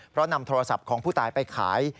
เพราะนำโทรศัพท์ของผู้ตายไปขาย